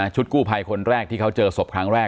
กู้ภัยคนแรกที่เขาเจอศพครั้งแรก